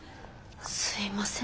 すいません